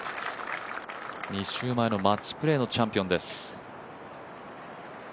２週前のマッチプレーのチャンピオンです。